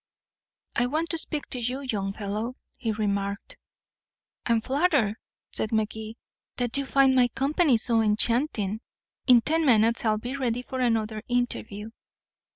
"I want to speak to you, young fellow," he remarked. "I'm flattered," said Magee, "that you find my company so enchanting. In ten minutes I'll be ready for another interview."